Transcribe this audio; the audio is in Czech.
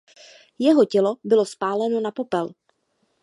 Jeho tělo bylo spáleno na popel.